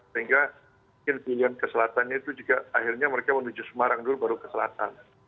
sehingga pilihan ke selatan itu juga akhirnya mereka menuju semarang dulu baru ke selatan